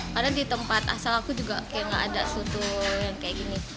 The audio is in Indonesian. karena di tempat asal aku juga kayak gak ada soto yang kayak gini